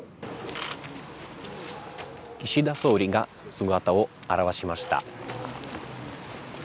岸田総理が姿を現しました。